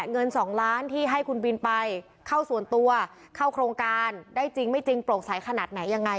เงิน๒ล้านที่ให้คุณบินไปเข้าส่วนตัวเข้าโครงการได้จริงไม่จริงโปร่งใสขนาดไหนยังไง